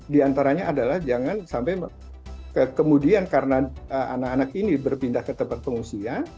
di antaranya adalah jangan sampai kemudian karena anak anak ini berpindah ke tempat pengungsian